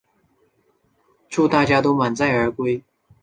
祝福大家都满载而归